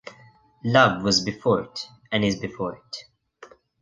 Love was before it, and is before it.